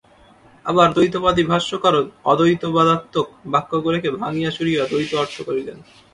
আবার দ্বৈতবাদী ভাষ্যকারও অদ্বৈতবাদাত্মক বাক্যগুলিকে ভাঙিয়া চুরিয়া দ্বৈত অর্থ করিলেন।